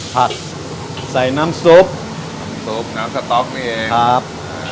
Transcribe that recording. ผัดใส่น้ำซุปน้ำซุปน้ำสต๊อกนี่เองครับ